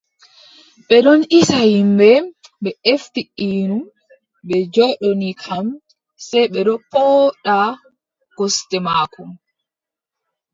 Ɓe ɗon isa yimɓe, ɓe efti innu ɓe joɗɗoni kam, sey ɓe ɗo pooɗa gosɗe maako.